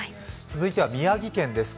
続いては宮城県です。